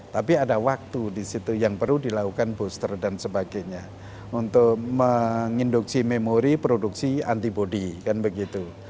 tapi ada waktu di situ yang perlu dilakukan booster dan sebagainya untuk menginduksi memori produksi antibody kan begitu